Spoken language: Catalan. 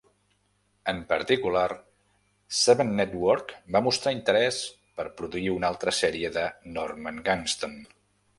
En particular, Seven Network va mostrar interès per produir una altra sèrie de "Norman Gunston".